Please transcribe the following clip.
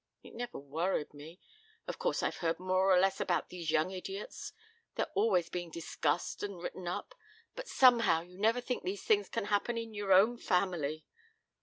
It never worried me. Of course I've heard more or less about these young idiots; they're always being discussed and written up; but somehow you never think those things can happen in your own family.